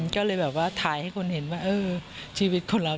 ก็เลยแบบว่าถ่ายให้คนเห็นว่าเออชีวิตคนเรา